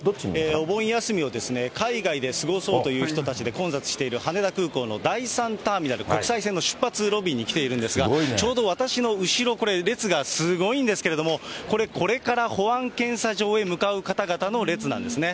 お盆休みを海外で過ごそうという人たちで混雑している羽田空港の第３ターミナル国際線の出発ロビーに来ているんですが、ちょうど私の後ろ、これ、列がすごいんですけれども、これ、これから保安検査場へ向かう方々の列なんですね。